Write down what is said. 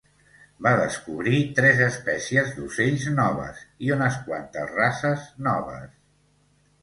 Va descobrir tres espècies d'ocells noves i unes quantes races noves.